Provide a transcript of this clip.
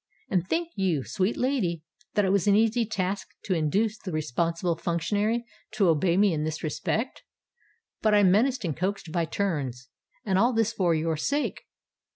And think you, sweet lady, that it was an easy task to induce that responsible functionary to obey me in this respect? But I menaced and coaxed by turns; and all this for your sake!